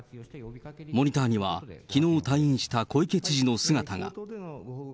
モニターには、きのう退院した小池知事の姿が。